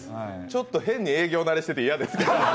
ちょっと変に営業慣れしてて嫌ですけどね。